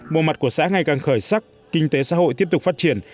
mùa mặt của xã ngày càng khởi sắc kinh tế xã hội tiếp tục phát triển